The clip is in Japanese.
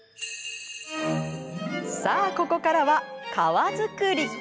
さあ、ここからは皮作り。